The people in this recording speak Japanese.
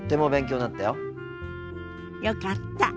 よかった。